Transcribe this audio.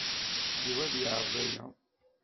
Yuba ad yeɛreḍ aya.